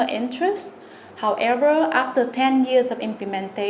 với những lực truyền vấn đề giả dữ